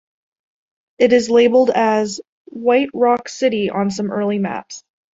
It is labelled as "White Rock City" on some early maps.